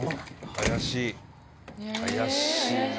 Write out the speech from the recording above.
怪しいぞ。